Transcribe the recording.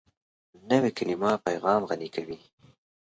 نوې کلیمه پیغام غني کوي